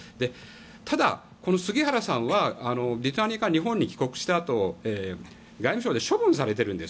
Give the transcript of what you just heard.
ただ、杉原さんはリトアニアから日本に帰国したあと外務省で処分されているんです。